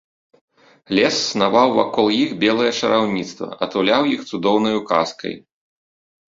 Лес снаваў вакол іх белае чараўніцтва, атуляў іх цудоўнаю казкай.